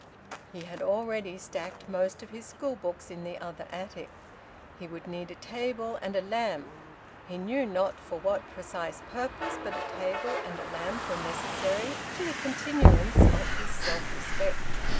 He had already stacked most of his school books in the other attic. He would need a table and a lamp; he knew not for what precise purpose; but a table and a lamp were necessary to the continuance of his self respect.